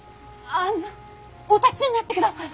ああのお立ちになってください。